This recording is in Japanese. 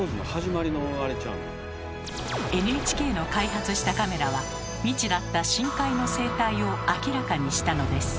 ＮＨＫの開発したカメラは未知だった深海の生態を明らかにしたのです。